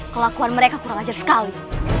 kelakuan mereka kurang ajar sekali